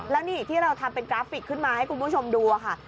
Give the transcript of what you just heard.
แล้วนี่ที่เราทำเป็นกราฟิกขึ้นมาให้คุณผู้ชมดูค่ะ